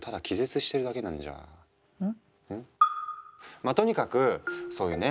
まあとにかくそういうね